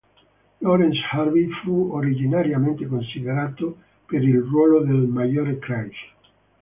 Laurence Harvey fu originariamente considerato per il ruolo del Maggiore Craig.